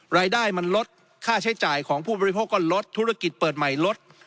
รายได้มันลดค่าใช้จ่ายของผู้บริโภคก็ลดธุรกิจเปิดใหม่ลด